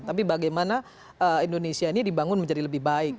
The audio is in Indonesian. tapi bagaimana indonesia ini dibangun menjadi lebih baik